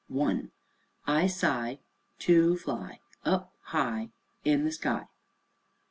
1. I sigh Too fly Up high In the sky.